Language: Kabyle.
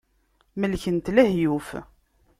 Melken-t lehyuf.